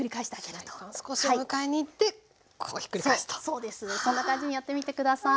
そんな感じにやってみて下さい。